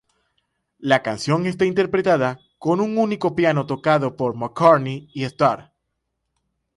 La canción está interpretada con un único piano tocado por McCartney y Starr.